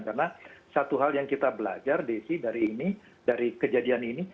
karena satu hal yang kita belajar desi dari ini dari kejadian ini